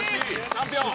チャンピオン！